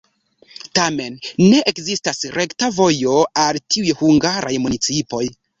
Tamen ne ekzistas rekta vojo al tiuj hungaraj municipoj.